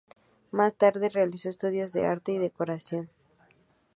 Más tarde realizó estudios de Arte y Decoración.